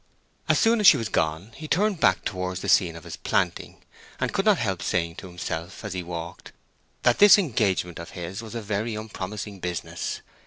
As soon as she was gone he turned back towards the scene of his planting, and could not help saying to himself as he walked, that this engagement of his was a very unpromising business.